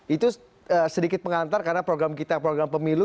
itu sedikit pengantar karena program kita program pemilu